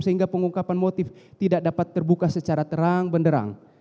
sehingga pengungkapan motif tidak dapat terbuka secara terang benderang